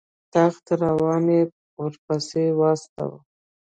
تخت روان یې ورپسې واستاوه.